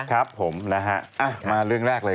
ครับผมนะฮะมาเรื่องแรกเลย